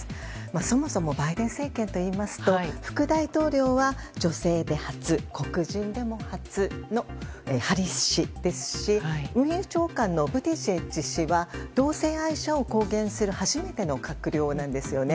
そもそもバイデン政権といいますと副大統領は女性で初黒人でも初のハリス氏ですし運輸長官のブティジェッジ氏は同性愛者を公言する初めての閣僚なんですよね。